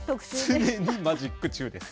常にマジック中です。